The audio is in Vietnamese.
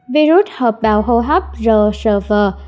virus hợp bào hô hấp rsvn